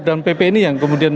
dan pp ini yang kemudian